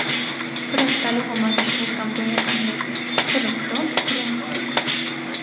Փռնգտալու հոմանիշներ կամ գոյականներն են՝ փռնգտոց, փռնգտուք։